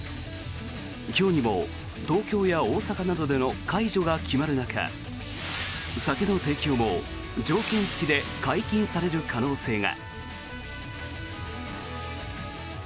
今日にも、東京や大阪などでの解除が決まる中酒の提供も条件付きで解禁される可能性が。